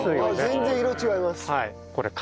全然色違います。